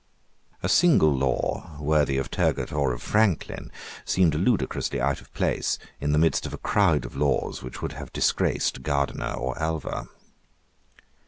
A single law, worthy of Turgot or of Franklin, seemed ludicrously out of place in the midst of a crowd of laws which would have disgraced Gardiner or Alva.